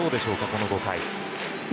この５回。